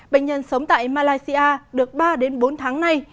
bệnh nhân sống tại malaysia được ba đến bốn tháng nay